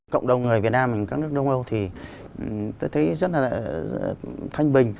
cộng đồng người việt nam mình các nước đông âu thì tôi thấy rất là thanh bình